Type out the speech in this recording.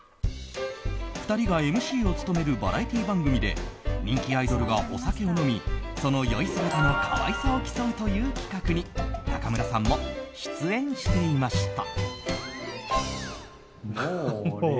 ２人がＭＣを務めるバラエティー番組で人気アイドルがお酒を飲みその酔い姿の可愛さを競うという企画に中村さんも出演していました。